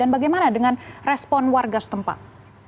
dan bagaimana dengan respon warga setempat